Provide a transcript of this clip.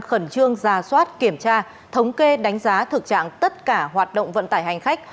khẩn trương ra soát kiểm tra thống kê đánh giá thực trạng tất cả hoạt động vận tải hành khách